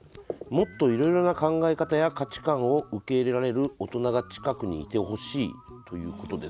もっといろいろな考え方や価値観を受け入れられる大人が近くにいてほしい」。